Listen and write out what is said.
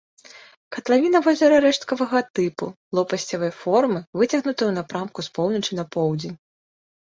Катлавіна возера рэшткавага тыпу, лопасцевай формы, выцягнутая ў напрамку з поўначы на поўдзень.